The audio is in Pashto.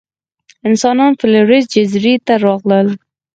انسانان فلورېس جزیرې ته راغلل.